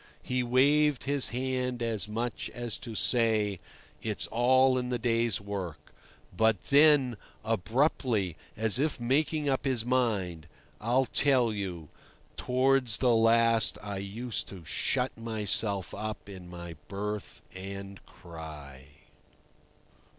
He waved his hand as much as to say: It's all in the day's work. But then, abruptly, as if making up his mind: "I'll tell you. Towards the last I used to shut myself up in my berth and cry."